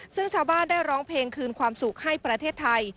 ซึ่งชาวบ้านได้ร้องเพลงคืนความสุขให้ประเทศไทย